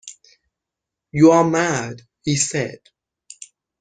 ‘You are mad,’ he said.